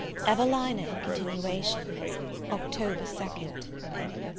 EVELINA IN CONTINUATION. October 2nd.